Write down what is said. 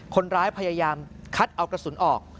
คนร้ายพยายามคัดเอากระสุนออก